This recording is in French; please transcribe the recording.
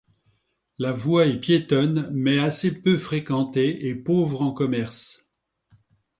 La voie est piétonne mais assez peu fréquentée et pauvre en commerces.